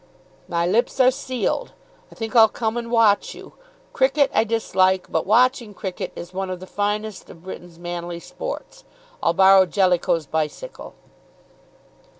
"My lips are sealed. I think I'll come and watch you. Cricket I dislike, but watching cricket is one of the finest of Britain's manly sports. I'll borrow Jellicoe's bicycle."